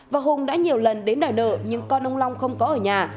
và hùng đã nhiều lần đến đòi nợ nhưng con ông long không có ở nhà